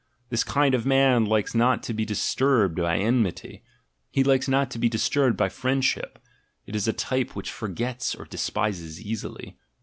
This kind of man likes not to be disturbed by enmity, he likes not to be disturbed by friendship, it is a type which forgets or despises easily.